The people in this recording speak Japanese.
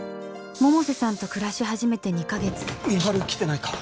百瀬さんと暮らし始めて２カ月美晴来てないか？